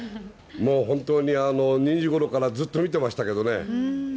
もう本当に２時ごろからずっと見てましたけどね。